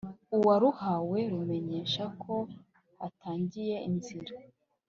uwaruhawe rumumenyesha ko hatangiye inzira